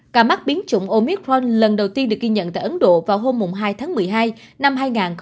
ca mắc biến chủng omicron lần đầu tiên được ghi nhận tại ấn độ vào hôm hai tháng một mươi hai năm hai nghìn hai mươi một